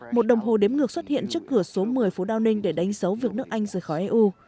một đồng hồ đếm ngược xuất hiện trước cửa số một mươi phố downing để đánh dấu việc nước anh rời khỏi eu